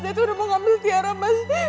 dia tuh udah mau ngambil tiara mas